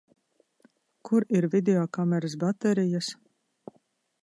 Kur ir videokameras baterijas?